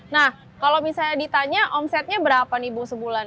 nah kalau misalnya ditanya omsetnya berapa nih bu sebulan